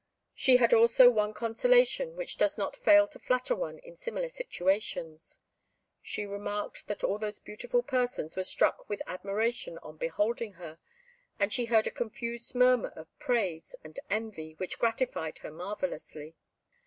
She had also one consolation which does not fail to flatter one in similar situations: she remarked that all those beautiful persons were struck with admiration on beholding her, and she heard a confused murmur of praise and envy which gratified her marvellously.